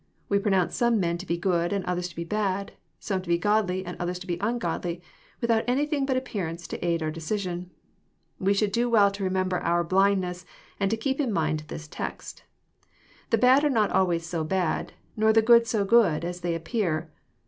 We pronounce some men to be good and others to be bad, — some to be godly and others to be ungodly, without anything but appearance to aid our decision. We should do well to remember our blindness, and to keep in mind this text. The bad are not always so bad, nor the good so good as they appear.